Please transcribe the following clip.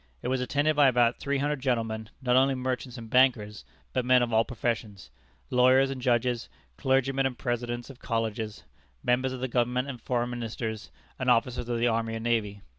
It was attended by about three hundred gentlemen not only merchants and bankers, but men of all professions lawyers and judges, clergymen and presidents of colleges, members of the Government and foreign ministers, and officers of the army and navy.